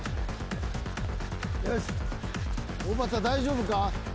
おばた大丈夫か？